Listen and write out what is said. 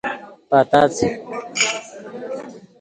پتاڅ